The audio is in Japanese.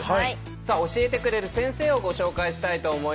さあ教えてくれる先生をご紹介したいと思います。